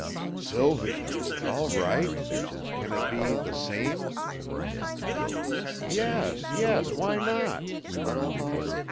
"Sylvie! Is it all right? Can it be the same?" "Yes, yes, why not?"